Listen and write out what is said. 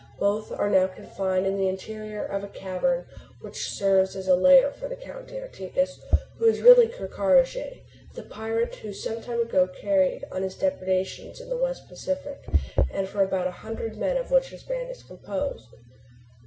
Both are now confined in the interior of a cavern which serves as a lair for the said Count d'Artigas who is really Ker Karraje, the pirate who some time ago carried on his depredations in the West Pacific and for about a hundred men of which his band is composed.